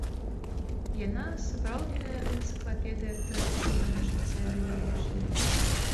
Яна сапраўдная энцыклапедыя традыцыйнага жыцця беларусаў.